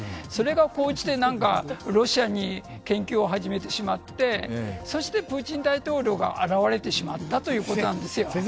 それが高じてロシアの研究を初めてしまって、そしてプーチン大統領が現れてしまったということなんですよ。